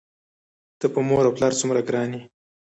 ته په مور و پلار څومره ګران یې؟!